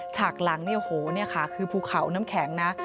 ฉากหลังเนี่ยโอ้โหนี่ค่ะคือภูเขาน้ำแข็งนะ